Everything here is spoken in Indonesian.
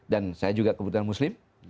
dan saya juga kebutuhan muslim